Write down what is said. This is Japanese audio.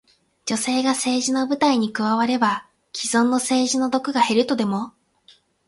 女性が政治の舞台に加われば、既存の政治の毒が減るとでも？